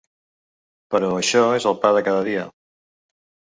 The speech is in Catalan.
Però això és el pa de cada dia.